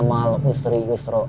innama ma'a ul usri yusro